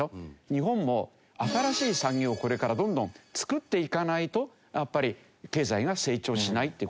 日本も新しい産業をこれからどんどん作っていかないとやっぱり経済が成長しないって事だよね。